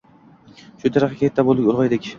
Shu tariqa katta bo‘ldik, ulg‘aydik.